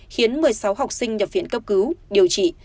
khiến một mươi sáu học sinh nhập viện cấp cứu điều trị